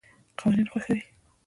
قوانین خوښوي.